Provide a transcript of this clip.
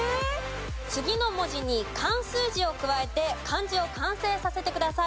次の文字に漢数字を加えて漢字を完成させてください。